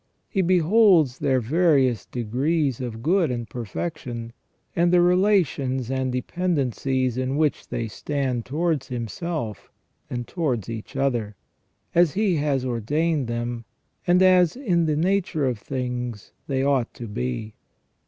He beholds their various degrees of good and perfection, and the relations and dependencies in which they stand towards Himself, and towards each other, as He has ordained them, and as in the nature of things they ought to be.